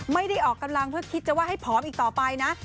ไม่ได้ออกกำลังเพื่อคิดจะว่าให้ผอมอีกต่อไปนะ